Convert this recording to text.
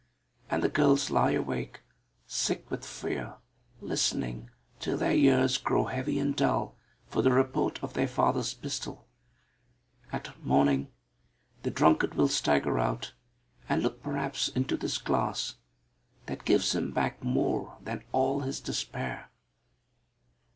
And the girls lie awake, sick with fear, listening, till their ears grow heavy and dull, for the report of their father's pistol. At morning, the drunkard will stagger out, and look perhaps into this glass, that gives him back more than all his despair.